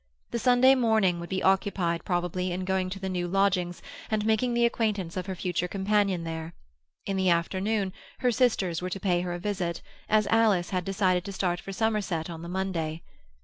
The Sunday morning would be occupied, probably, in going to the new lodgings and making the acquaintance of her future companion there; in the afternoon, her sisters were to pay her a visit, as Alice had decided to start for Somerset on the Monday.